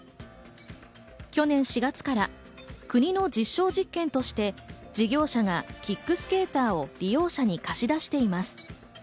去年４月から国の実証実験として事業者がキックスケーターを利用者に貸し出しています。